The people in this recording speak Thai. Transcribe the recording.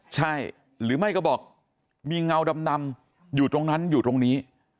ใช่หรือไม่ก็บอกมีเงาดำอยู่ตรงนั้นอยู่ตรงนี้